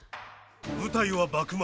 舞台は幕末。